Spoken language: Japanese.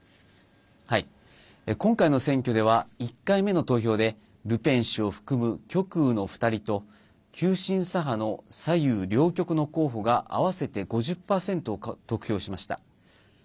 今回の選挙では１回目の投票でルペン氏を含む極右の２人と急進左派の左右両極の候補が合わせて５０％得票しました。